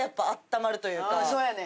そうやねん。